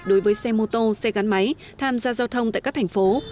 đối với xe mô tô xe gắn máy tham gia giao thông tại các thành phố